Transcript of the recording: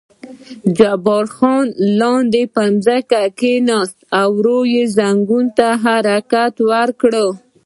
جبار خان لاندې پر ځمکه کېناست او ورو یې زنګون ته حرکات ورکړل.